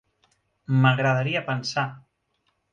M'agradaria pensar.